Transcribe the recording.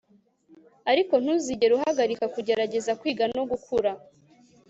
ariko ntuzigere uhagarika kugerageza kwiga no gukura